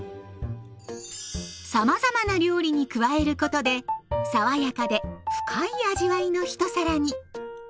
さまざまな料理に加えることで爽やかで深い味わいの一皿に。